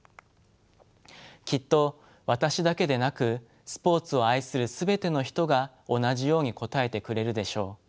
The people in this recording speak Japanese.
きっと私だけでなくスポーツを愛する全ての人が同じように答えてくれるでしょう。